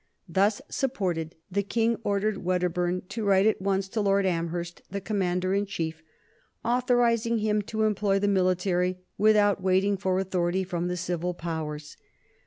Thus supported, the King ordered Wedderburn to write at once to Lord Amherst, the Commander in Chief, authorizing him to employ the military without waiting for authority from the civil powers.